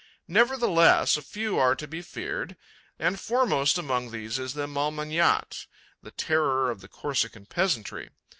Nevertheless, a few are to be feared; and foremost among these is the Malmignatte, the terror of the Corsican peasantry.